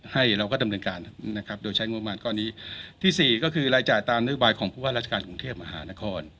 ให้เราก็ดำเนินการนะครับโดยใช้งบประมาณก้อนนี้ที่สี่ก็คือรายจ่ายตามนโยบายของผู้ว่าราชการกรุงเทพมหานคร